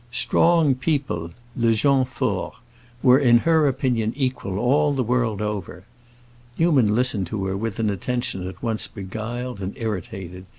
"Strong people"—le gens forts—were in her opinion equal, all the world over. Newman listened to her with an attention at once beguiled and irritated.